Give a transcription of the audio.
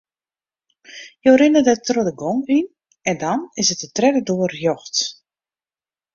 Jo rinne dêr de gong yn en dan is it de tredde doar rjochts.